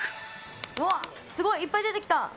うわ、すごい！いっぱい出てきた。